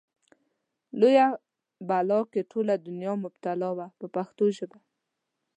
لویه بلا کې ټوله دنیا مبتلا وه په پښتو ژبه.